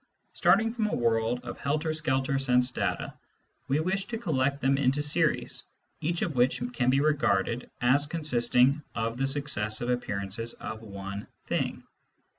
Starting from a world of helter skelter sense data, we wish to collect them into series, each of which can be regarded as consisting of the successive appearances of one "thing."